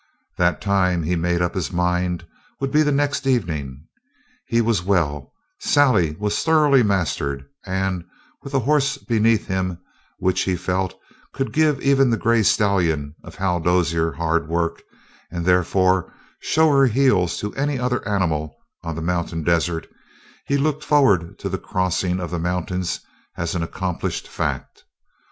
That time, he made up his mind, would be the next evening. He was well; Sally was thoroughly mastered; and, with a horse beneath him which, he felt, could give even the gray stallion of Hal Dozier hard work, and therefore show her heels to any other animal on the mountain desert, he looked forward to the crossing of the mountains as an accomplished fact.